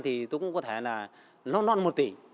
thì tôi cũng có thể là non non một tỷ